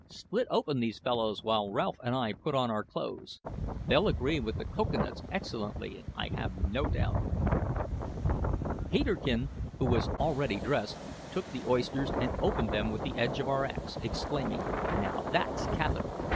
split open these fellows while Ralph and I put on our clothes. They'll agree with the cocoa nuts excellently, I have no doubt." Peterkin, who was already dressed, took the oysters and opened them with the edge of our axe, exclaiming, "Now, that's capital!